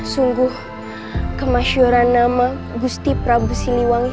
sungguh kemasyuran nama gusti prabu siliwangi